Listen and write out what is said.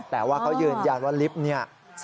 แต่ว่าเขายืนยาวนว่าลิฟท์นี้